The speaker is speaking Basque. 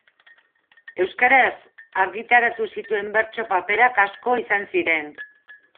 Euskaraz argitaratu zituen bertso paperak asko izan ziren.